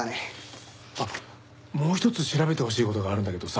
あっもう一つ調べてほしい事があるんだけどさ。